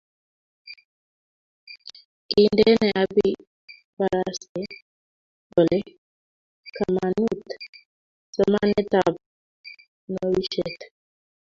kindene akibaraste kole kamanuut somanetab nobishet